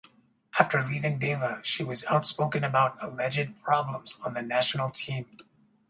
After leaving Deva, she was outspoken about alleged problems on the national team.